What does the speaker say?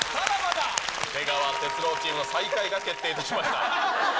出川哲朗チームの最下位が決定いたしました。